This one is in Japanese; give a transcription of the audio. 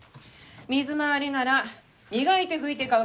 水回りなら磨いて拭いて乾かす。